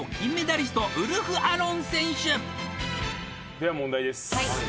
では問題です